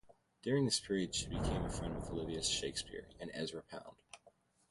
During this period she became friendly with Olivia Shakespear and Ezra Pound.